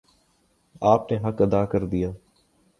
آپ نے حق ادا کر دیا